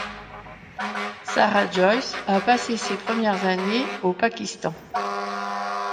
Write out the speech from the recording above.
Sarah Joyce a passé ses premières années au Pakistan.